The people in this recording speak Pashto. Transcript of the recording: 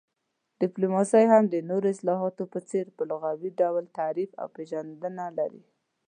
ډيپلوماسي هم د نورو اصطلاحاتو په څير په لغوي ډول تعريف او پيژندنه لري